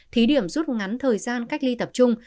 thí điểm rút ngắn thời gian cách ly tập trung